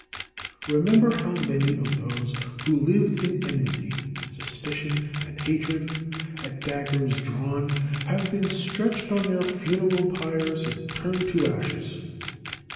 Remember how many of those who lived in enmity, suspicion, and hatred, at daggers drawn, have been stretched on their funeral pyres, and turned to ashes.